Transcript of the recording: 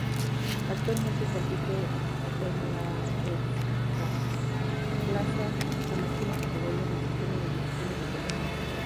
Actualmente compite en la Ekstraklasa, la máxima categoría del sistema de divisiones de Polonia.